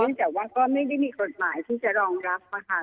แต่ว่าก็ไม่ได้มีกฎหมายที่จะรองรับค่ะ